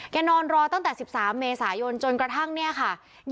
นอนรอตั้งแต่๑๓เมษายนจนกระทั่งเนี่ยค่ะ